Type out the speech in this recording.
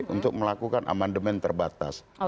untuk melakukan amandemen terbatas